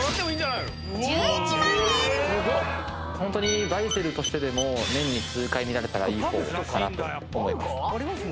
ホントにバイセルとしてでも年に数回見られたらいい方かなと。